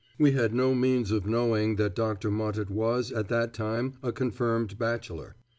We had no means of knowing that Dr. Mottet was at that time a confirmed bachelor.